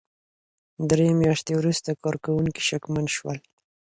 درې مياشتې وروسته کارکوونکي شکمن شول.